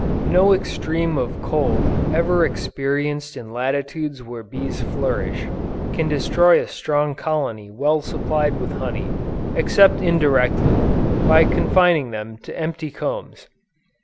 No extreme of cold ever experienced in latitudes where bees flourish, can destroy a strong colony well supplied with honey, except indirectly, by confining them to empty combs.